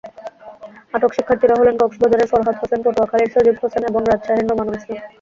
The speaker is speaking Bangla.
আটক শিক্ষার্থীরা হলেন কক্সবাজারের ফরহাদ হোসেন, পটুয়াখালীর সজীব হোসেন এবং রাজশাহীর নোমানুল ইসলাম।